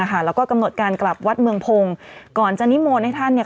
แล้วก็กำหนดการกลับวัดเมืองพงศ์ก่อนจะนิมนต์ให้ท่านเนี่ย